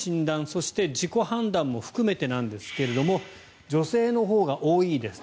そして、自己判断も含めてなんですけれども女性のほうが多いです。